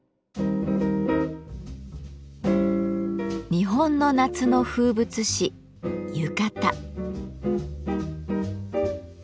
日本の夏の風物詩「浴衣」。